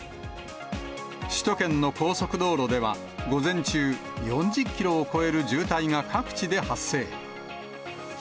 首都圏の高速道路では、午前中、４０キロを超える渋滞が各地で発生。